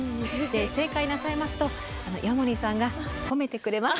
正解なさいますと矢守さんが褒めてくれます。